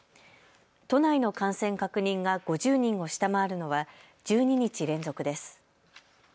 都内の感染確認が５０人を下回るのは１２日連続です。